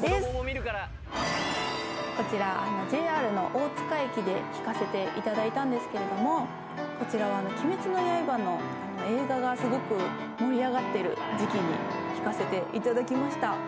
こちらＪＲの大塚駅で弾かせていただいたんですけどこちらは『鬼滅の刃』の映画がすごく盛り上がってる時期に弾かせていただきました。